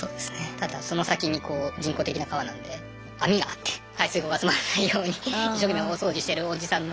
ただその先に人工的な川なんで網があって排水口が詰まらないように一生懸命大掃除してるおじさんの。